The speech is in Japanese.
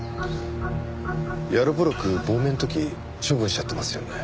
ヤロポロク亡命の時処分しちゃってますよね？